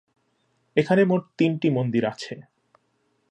এখানে মোট তিনটি মন্দির আছে।